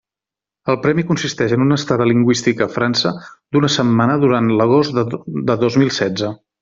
El premi consisteix en una estada lingüística a França d'una setmana durant l'agost de dos mil setze.